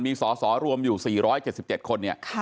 มีสอสอรวมอยู่๔๗๗คนเนี่ย